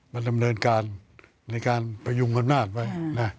บรรทำเนินการในการประยุงกำหนักไว้